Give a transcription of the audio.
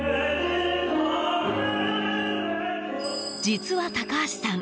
実は高橋さん